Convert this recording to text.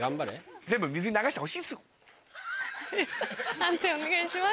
判定お願いします。